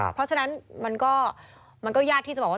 เพราะฉะนั้นมันก็ยากที่จะบอกว่า